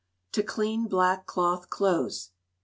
To Clean Black Cloth Clothes.